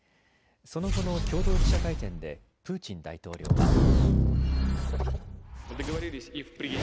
その後の共同記者会見でプーチン大統領は。